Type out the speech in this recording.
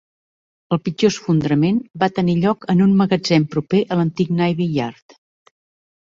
El pitjor esfondrament va tenir lloc en un magatzem proper a l'antic Navy Yard.